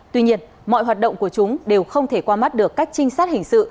tuy nhiên mọi hoạt động của chúng đều không thể qua mắt được các trinh sát hình sự